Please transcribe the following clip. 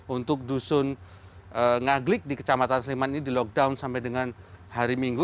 untuk dusun ngaglik di kecamatan sleman ini di lockdown sampai dengan hari minggu